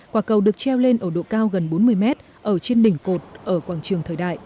quả cầu được treo lên ở độ cao gần bốn mươi mét ở trên đỉnh cột ở quảng trường thời đại